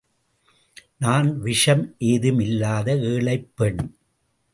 நான் விஷம் ஏதும் இல்லாத ஏழைப்பெண்.